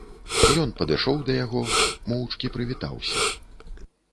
Ён падышоў да яго, моўчкі прывітаўся.